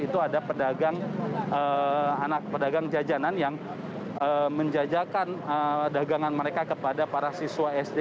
itu ada pedagang anak pedagang jajanan yang menjajakan dagangan mereka kepada para siswa sd